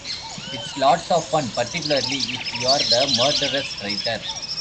It's lots of fun, particularly if you're the murderous traitor.